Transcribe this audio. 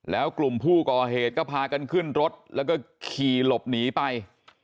แล้วกลุ่มผู้ก่อเหตุก็พากันขึ้นรถแล้วก็ขี่หลบหนีไป